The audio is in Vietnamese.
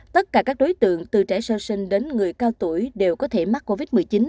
tất cả các đối tượng từ trẻ sơ sinh đến người cao tuổi đều có thể mắc covid một mươi chín